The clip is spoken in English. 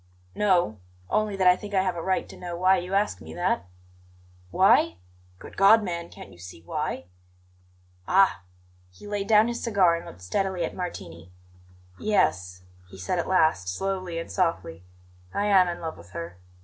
"No; only that I think I have a right to know why you ask me that." "Why? Good God, man, can't you see why?" "Ah!" He laid down his cigar and looked steadily at Martini. "Yes," he said at last, slowly and softly. "I am in love with her.